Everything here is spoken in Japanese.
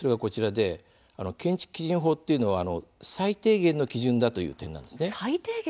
建築基準法は最低限の基準だという点なんです。